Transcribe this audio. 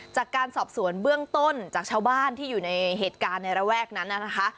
จากการสอบสวนเบื้องต้นจากชาวบ้านที่อยู่ในเหตุการณ์ในระแวกนั้นนะคะ